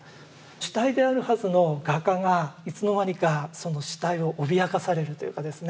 主体であるはずの画家がいつの間にかその主体を脅かされるというかですね。